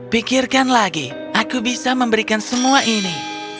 pikirkan lagi aku bisa memberikan semua ini